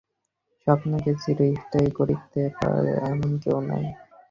স্বপ্নকে চিরস্থায়ী করিতে পারে, এমন কেহ নাই।